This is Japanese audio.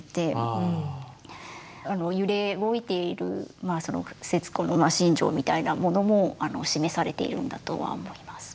揺れ動いている節子の心情みたいなものも示されているんだとは思います。